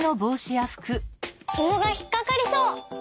ひもがひっかかりそう！